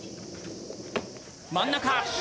真ん中。